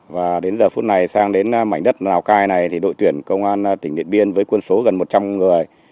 và đến giờ phút này sang đến mảnh đất lào cai này thì đội tuyển công an tỉnh điện biên với quân số gần một trăm linh người